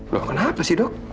loh kenapa sih dok